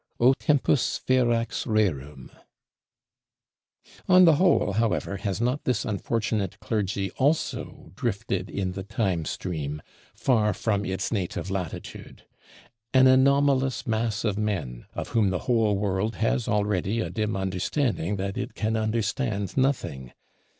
O tempus ferax rerum! On the whole, however, has not this unfortunate clergy also drifted in the Time stream, far from its native latitude? An anomalous mass of men; of whom the whole world has already a dim understanding that it can understand nothing.